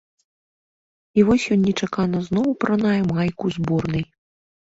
І вось ён нечакана зноў апранае майку зборнай.